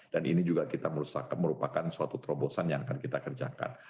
dan ini juga kita merupakan suatu terobosan yang akan kita kerjakan